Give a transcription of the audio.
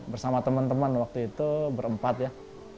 bersama temen temen waktu itu berempat ya